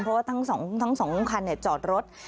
เพราะว่าทั้งสองคลุมคันจอดรถ